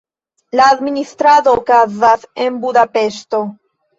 La administrado okazas en Budapeŝto.